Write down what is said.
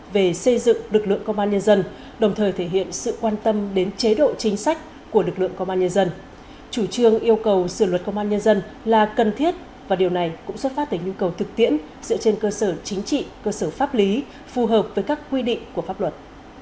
về xây dựng lực lượng công an nhân dân đồng thời thể hiện sự quan tâm đến chế độ chính sách của lực lượng công an nhân dân chủ trương yêu cầu sửa luật công an nhân dân là cần thiết và điều này cũng xuất phát từ nhu cầu thực tiễn dựa trên cơ sở chính trị cơ sở pháp lý phù hợp với các quy định của pháp luật